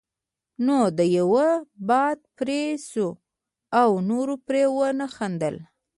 نو د يوه یې باد پرې شو او نورو پرې ونه خندل.